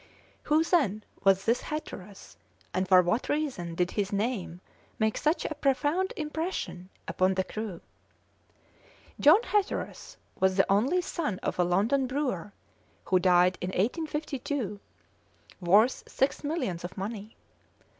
Who, then, was this Hatteras, and for what reason did his name make such a profound impression upon the crew? John Hatteras was the only son of a London brewer, who died in 1852 worth six millions of money.